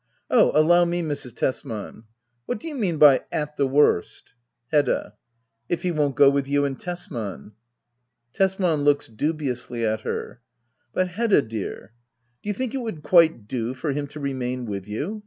] Oh, allow me, Mrs. Tesman !— What do you mean by '*At the worst "? Hedda. If he won't go with you and Tesman. Tesman. \Looks dubiously at her.] But, Hedda dear — do you think it would quite do for him to remain with you